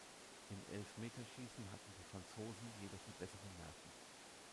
Im Elfmeterschießen hatten die Franzosen jedoch die besseren Nerven.